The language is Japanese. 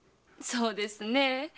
そうですね